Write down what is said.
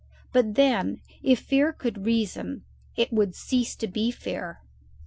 But then if fear could reason, it would cease to be fear.